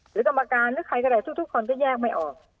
กรรมการหรือใครก็ได้ทุกคนก็แยกไม่ออก